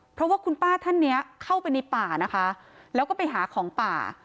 เพราะว่าคุณป้าท่านเนี้ยเข้าไปในป่านะคะแล้วก็ไปหาของป่า